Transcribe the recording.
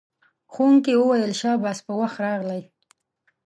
ښوونکی وویل شاباس په وخت راغلئ.